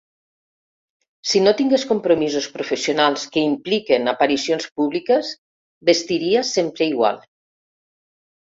Si no tingués compromisos professionals que impliquen aparicions públiques vestiria sempre igual.